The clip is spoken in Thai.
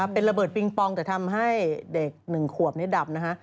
เป็นระเบิดปิงปองแต่ทำให้เด็ก๑ขวบนี้ดับนะฮะ